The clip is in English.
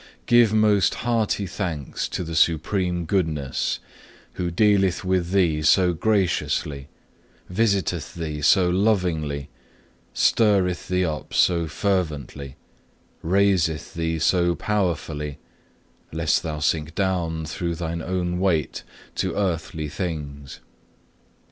Give most hearty thanks to the Supreme Goodness, who dealeth with thee so graciously, visiteth thee so lovingly, stirreth thee up so fervently, raiseth thee so powerfully, lest thou sink down through thine own weight, to earthly things.